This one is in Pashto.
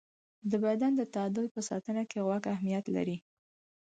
د بدن د تعادل په ساتنه کې غوږ اهمیت لري.